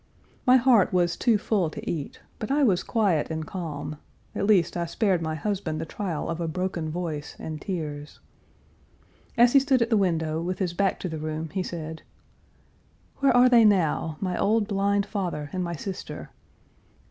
My heart was too full to eat, but I was quiet and calm; at least I spared my husband the trial of a broken voice and tears. As he stood at the window, Page 359 with his back to the room, he said: "Where are they now my old blind father and my sister?